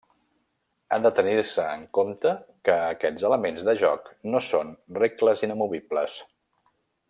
Ha de tenir-se en compte que aquests elements de joc no són regles inamovibles.